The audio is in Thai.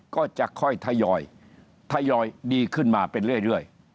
ก็จะค่อยทยอยทยอยดีขึ้นมาเป็นเรื่อย